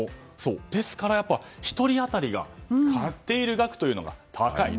ですから１人当たりの買っている額が高い。